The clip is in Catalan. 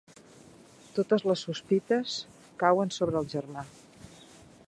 Totes les sospites cauen sobre el germà.